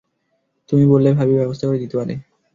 তুমি বললে, ভাবি ব্যবস্থা করে দিতে পারে।